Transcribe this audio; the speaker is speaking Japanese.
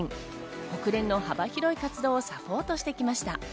国連の幅広い活動をサポートしてきました。